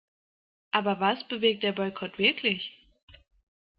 Aber was bewirkt der Boykott wirklich?